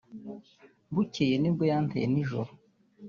Bukeye nibwo yanteye nijoro